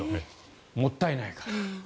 もったいないから。